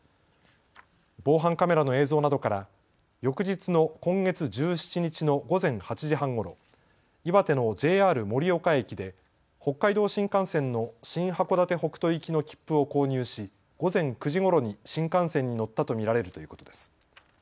防犯カメラの映像などから翌日の今月１７日の午前８時半ごろ、岩手のＪＲ盛岡駅で北海道新幹線の新函館北斗行きの切符を購入し午前９時ごろに新幹線に乗ったと見られるということです。